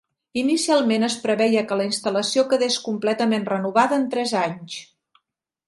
Inicialment es preveia que la instal·lació quedés completament renovada en tres anys.